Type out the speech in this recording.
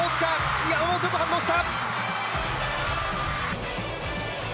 山本が反応した。